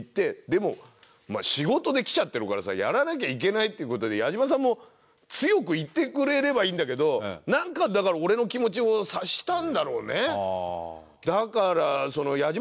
でも仕事で来ちゃってるからさやらなきゃいけないっていう事で矢島さんも強く言ってくれればいいんだけどなんかだからもうその入り交じって。